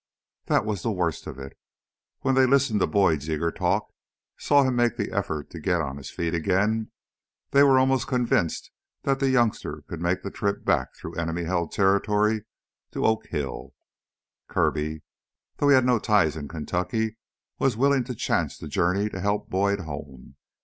That was the worst of it. When they listened to Boyd's eager talk, saw him make the effort to get on his feet again, they were almost convinced that the youngster could make the trip back through enemy held territory to Oak Hill. Kirby, though he had no ties in Kentucky, was willing to chance the journey to help Boyd home.